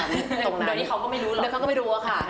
เดี๋ยวนี้เค้าก็ไม่รู้หรอกเจ้าจะไม่รู้อ่ะค่ะ